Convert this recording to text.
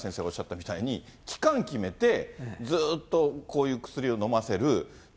おっしゃったみたいに、期間決めて、ずっとこういう薬を飲ませる。